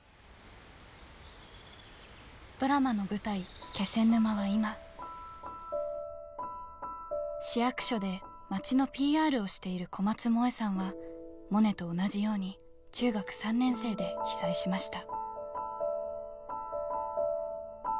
ドラマの舞台、気仙沼は今市役所で町のＰＲをしている小松萌さんは、モネと同じように中学３年生で被災しました。